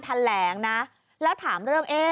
ทันแหลงนะแล้วถามเรื่อง